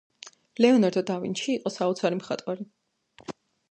ლეონარდო და ვინჩი იყო საოცარი მხატვარი